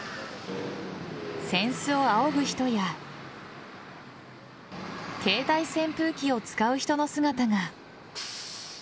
扇子をあおぐ人や携帯扇風機を使う人の姿が。